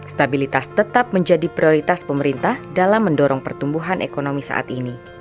stabilitas tetap menjadi prioritas pemerintah dalam mendorong pertumbuhan ekonomi saat ini